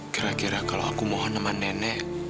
kira kira kalau aku mohon sama nenek